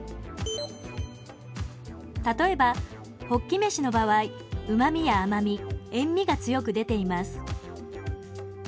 例えばホッキ飯の場合うま味や甘み塩味が強く出ています。